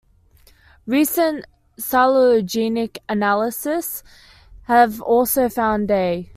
Recent phylogenetic analyses have also found A.